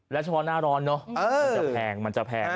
และเฉพาะหน้าร้อนเนอะมันจะแพง